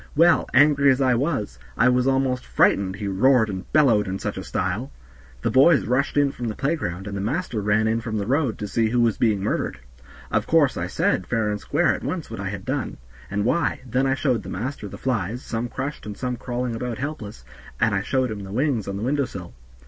Well, angry as I was, I was almost frightened, he roared and bellowed in such a style. The boys rushed in from the playground, and the master ran in from the road to see who was being murdered. Of course I said fair and square at once what I had done, and why; then I showed the master the flies, some crushed and some crawling about helpless, and I showed him the wings on the window sill.